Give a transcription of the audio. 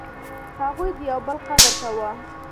هغوی د یو بل قدر کاوه.